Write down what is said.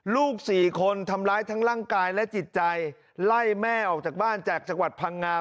ลูกสี่คนทำร้ายทั้งร่างกายและจิตใจไล่แม่ออกจากบ้านจากจังหวัดพังงา